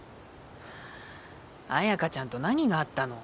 綾華ちゃんと何があったの？